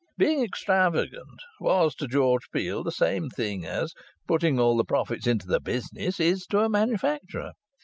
Being extravagant was to George Peel the same thing as "putting all the profits into the business" is to a manufacturer.